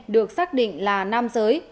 được xác định là nam giới